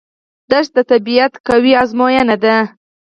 دښته د طبیعت قوي ازموینه ده.